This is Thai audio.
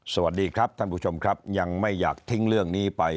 สวัสดีครับท่านผู้ชมครับยังไม่อยากทิ้งเรื่องนี้ไป